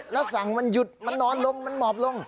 แล้วสั่งมันหยุดมันนอนลมมันหมอบลง